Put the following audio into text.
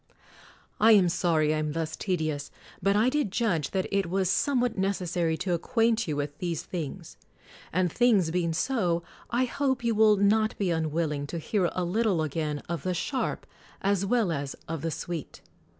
I am sorry I am thus tedious: but I did judge that it was somewhat necessary to ac quaint you with these things. And things be ing so, I hope you will not be unwilling to hear a little again of the sharp as well as of the sweet!